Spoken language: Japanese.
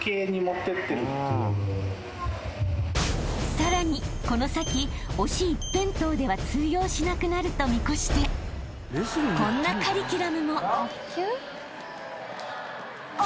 ［さらにこの先押し一辺倒では通用しなくなると見越してこんなカリキュラムも］